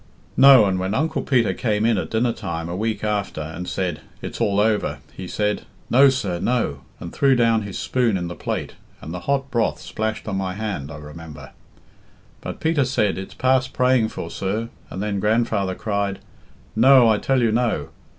"No; and when Uncle Peter came in at dinner time a week after and said, 'It's all over,' he said, 'No, sir, no,' and threw down his spoon in the plate, and the hot broth splashed on my hand, I remember. But Peter said, 'It's past praying for, sir,' and then grandfather cried, 'No, I tell you no.'